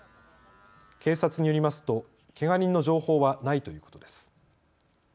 警察によりますとけが人の情報はないということです。